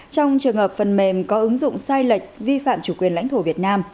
trong trường hợp phần mềm có ứng dụng sai lệch vi phạm chủ quyền lãnh thổ việt nam